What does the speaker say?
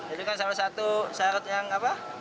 itu kan salah satu syarat yang apa